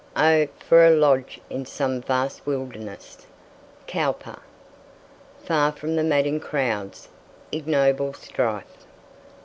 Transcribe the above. "Oh, for a lodge in some vast wilderness." Cowper. "Far from the madding crowd's ignoble strife."